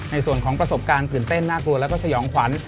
ในส่วนของประสบการณ์ตื่นเต้นน่ากลัวแล้วก็สยองขวัญ